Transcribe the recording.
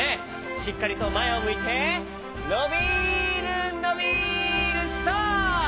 しっかりとまえをむいてのびるのびるストップ！